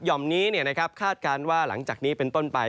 ่อมนี้คาดการณ์ว่าหลังจากนี้เป็นต้นไป